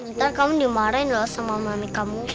kita kamu dimarahin loh sama mami kamu